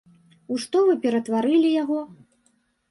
У што вы ператварылі яго?!